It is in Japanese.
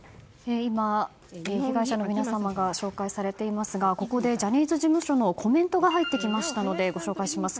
今、被害者の皆様が紹介されていますがここでジャニーズ事務所のコメントが入ってきましたのでご紹介します。